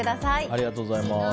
ありがとうございます。